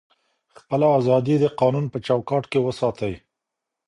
خپله ازادي د قانون په چوکاټ کي وساتئ.